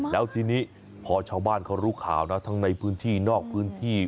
แล้วทีนี้พอชาวบ้านเขารู้ข่าวนะทั้งในพื้นที่นอกพื้นที่